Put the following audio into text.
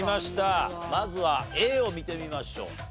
まずはＡを見てみましょう。